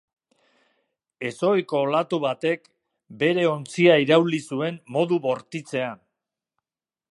Ezohiko olatu batek bere ontzia irauli zuen modu bortitzean.